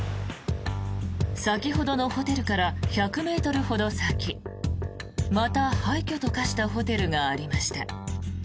先ほどのホテルから１００ｍほど先また廃虚と化したホテルがありました。